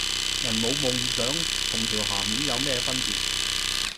人冇夢想同條咸魚有咩分別?